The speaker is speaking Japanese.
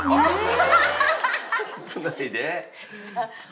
危ないで。